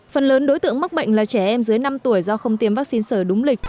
phần lớn đối tượng mắc bệnh là trẻ em dưới năm tuổi do không tiêm vaccine sởi đúng lịch